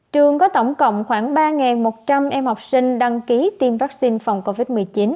trường có tổng cộng khoảng ba một trăm linh em học sinh đăng ký tiêm vaccine phòng covid một mươi chín